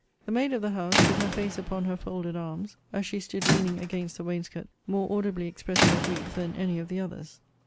The maid of the house with her face upon her folded arms, as she stood leaning against the wainscot, more audibly exprest her grief than any of the others.